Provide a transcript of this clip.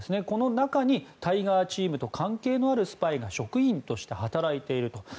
この中にタイガーチームと関係のあるスパイが職員として働いていると。